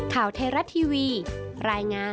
ข่าวเทราะห์ทีวีรายงาน